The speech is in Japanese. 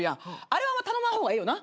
あれは頼まん方がええよな？